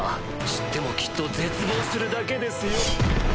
知ってもきっと絶望するだけですよ。